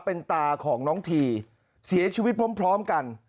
เป็นตาของน้องทีเสียชีวิตพร้อมกัน